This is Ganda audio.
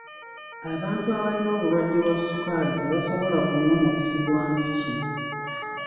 Abantu abalina obulwadde bwa ssukaali tebasobola kunywa mubisi gwa njuki.